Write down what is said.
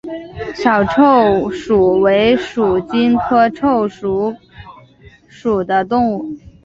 小臭鼩为鼩鼱科臭鼩属的动物。